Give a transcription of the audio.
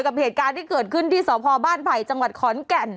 กับเหตุการณ์ที่เกิดขึ้นที่สพบ้านไผ่จังหวัดขอนแก่น